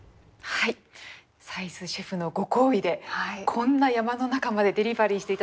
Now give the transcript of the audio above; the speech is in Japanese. はい斉須シェフのご厚意でこんな山の中までデリバリーして頂きました。